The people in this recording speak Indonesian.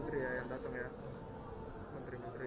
mbak mbak mbak mbak mbak